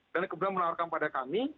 dan kebetulan menawarkan pada kami